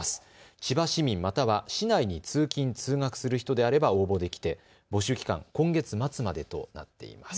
千葉市民または市内に通勤、通学する人であれば応募できて募集期間は今月末までとなっています。